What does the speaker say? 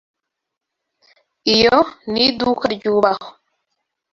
Iyo ni iduka ryubahwa.